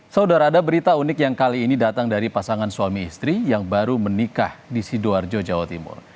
saudara ada berita unik yang kali ini datang dari pasangan suami istri yang baru menikah di sidoarjo jawa timur